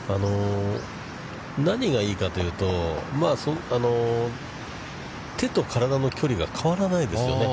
何がいいかというと、手と体の距離が変わらないですよね。